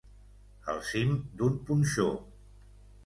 Al cim d'un punxó.